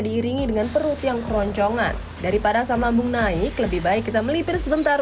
diiringi dengan perut yang keroncongan daripada asam lambung naik lebih baik kita melipir sebentar